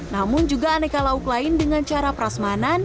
namun juga aneka lauk lain dengan cara prasmanan